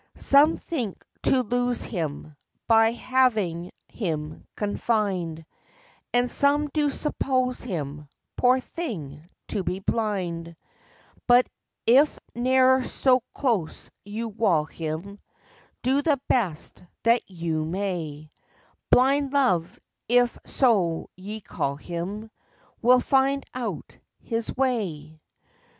Some think to lose him By having him confin'd, And some do suppose him, Poor thing, to be blind; But if ne'er so close you wall him, Do the best that you may; Blind Love, if so ye call him, Will find out his way.